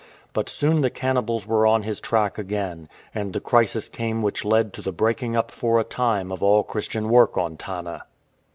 But soon the cannibals were on his track again, and the crisis came which led to the breaking up for a time of all Christian work on Tanna.